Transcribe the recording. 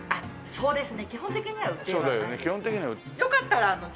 そうですね。